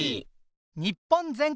日本全国。